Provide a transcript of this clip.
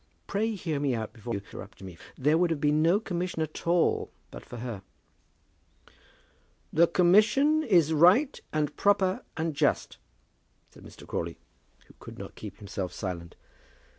Pray hear me out before you interrupt me. There would have been no commission at all but for her." "The commission is right and proper and just," said Mr. Crawley, who could not keep himself silent.